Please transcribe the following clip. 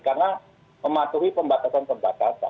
karena mematuhi pembatasan pembatasan